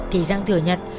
thì giang thừa nhận